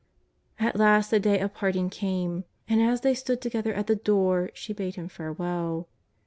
At last the day of parting came, and as they stood to gether at the door she bade Him farewell.